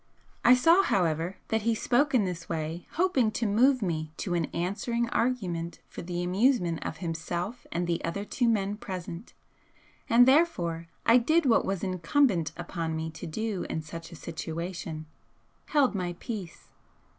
I saw, however, that he spoke in this way hoping to move me to an answering argument for the amusement of himself and the other two men present, and therefore I did what was incumbent upon me to do in such a situation held my peace.